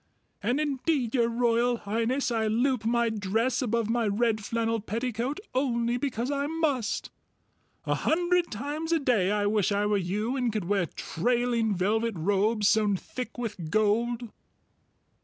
And indeed, Your Royal Highness, I loop my dress above my red flannel petticoat only because I must. A hundred times a day I wish I were you and could wear trailing velvet robes sewn thick with gold!"